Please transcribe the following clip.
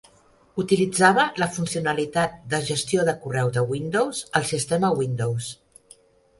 Utilitzava la funcionalitat de "Gestió de correu de Windows" al sistema Windows.